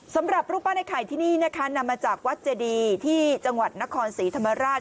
สำหรับรูปปั้นไอ้ไข่ที่นี่นะคะนำมาจากวัดเจดีที่จังหวัดนครศรีธรรมราช